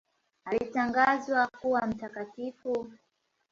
Alitangazwa kuwa mtakatifu.